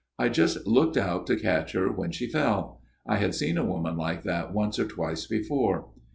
I just looked out to catch her when she fell. I had seen a woman like that once or twice before.